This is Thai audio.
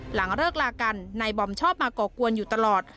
หลังเลิกลากันนายบอมชอบมาก่อกวนอยู่ตลอด